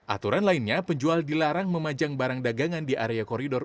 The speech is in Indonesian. aturan lainnya penjual dilarang memajang barang dagangan di area koridor